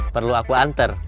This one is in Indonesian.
perlu aku antar